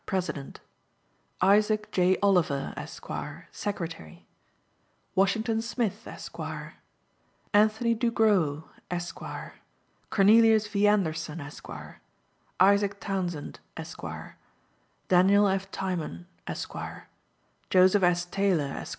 President. ISAAC J. OLIVER, Esq., Secretary. Washington Smith, Esq. Anthony Dugro, Esq. Cornelius V. Anderson, Esq. Isaac Townsend, Esq. Daniel F. Tiemann, Esq. Joseph S. Taylor, Esq.